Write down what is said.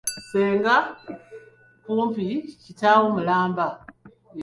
"Ssengawo kumpi kitaawo mulamba, era oteekwa okumussaamu ekitiibwa."